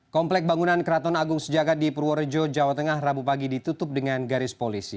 komplek bangunan keraton agung sejagat di purworejo jawa tengah rabu pagi ditutup dengan garis polisi